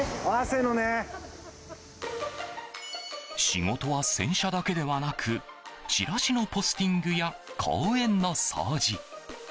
仕事は洗車だけではなくチラシのポスティングや公園の掃除